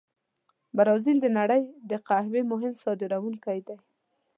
برازیل د نړۍ د قهوې مهم صادرونکي دي.